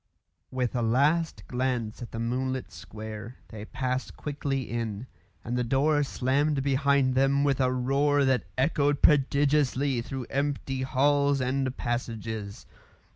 With a last glance at the moonlit square, they passed quickly in, and the door slammed behind them with a roar that echoed prodigiously through empty halls and passages.